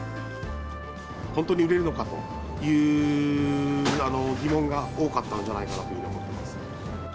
本当に売れるのかという疑問が多かったんじゃないかというふうに思っています。